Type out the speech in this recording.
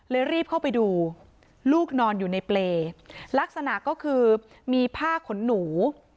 รีบเข้าไปดูลูกนอนอยู่ในเปรย์ลักษณะก็คือมีผ้าขนหนู